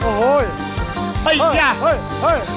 แบบตกแพง